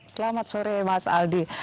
selamat sore mas aldi